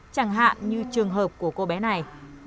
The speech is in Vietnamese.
chẳng hạn như trường hợp của cô bé này